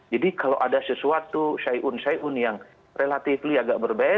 jadi kalau ada sesuatu syaiun syaiun yang relatifly agak berbeda